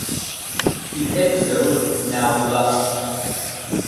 The episode is now lost.